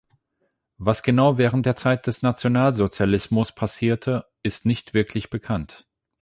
Was genau während der Zeit des Nationalsozialismus passierte ist nicht wirklich bekannt.